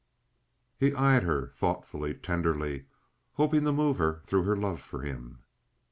He eyed her thoughtfully, tenderly, hoping to move her through her love for him.